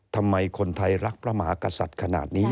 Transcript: ทำไมคนไทยรักประหมากับสัตว์ขนาดนี้